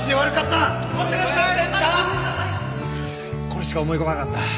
これしか思い浮かばなかった。